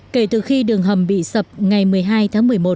kể từ khi đường hầm bị sập ngày một mươi hai tháng một mươi một